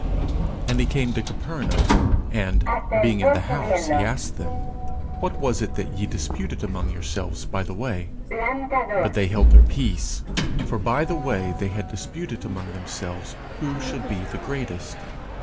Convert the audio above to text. _And he came to Capernaum: and, being in the house, he asked them, What was it that ye disputed among yourselves by the way? But they held their peace: for by the way they had disputed among themselves who should be the greatest.